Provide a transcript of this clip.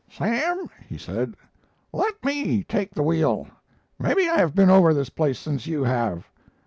"'Sam,' he said, 'let me take the wheel. Maybe I have been over this place since you have.'